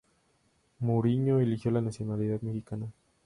Mouriño eligió la nacionalidad mexicana.